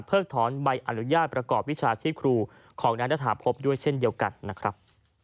ถอนใบอนุญาตประกอบวิชาชีพครูของนายณฐาพบด้วยเช่นเดียวกันนะครับ